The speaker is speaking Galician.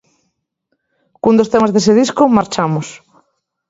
Cun dos temas dese disco, marchamos.